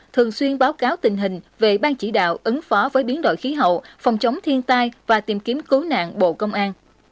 thường xuyên báo cáo tình hình về ban chỉ đạo ứng phó với biến đổi khí hậu phòng chống thiên tai và tìm kiếm cứu nạn bộ công an